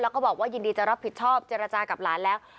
แล้วก็บอกว่ายินดีจะรับผิดชอบเจรจากับหลานแล้ว